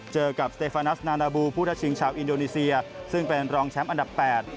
เจอกับสเตฟานัสนานาบูผู้ทัชชิงชาวอินโดนีเซียซึ่งเป็นรองแชมป์อันดับแปด